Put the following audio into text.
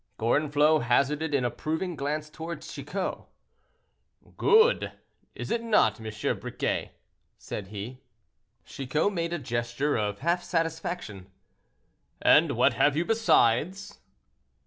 Gorenflot hazarded an approving glance toward Chicot. "Good! is it not, M. Briquet?" said he. Chicot made a gesture of half satisfaction. "And what have you besides?"